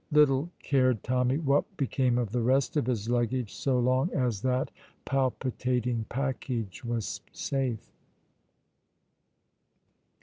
Little cared Tommy what became of the rest of his luggage so long as that palpitating package was safe.